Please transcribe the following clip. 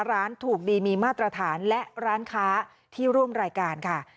ร้านถูกดีมีมาตรฐานและร้านค้าที่ร่วมรายการค่ะ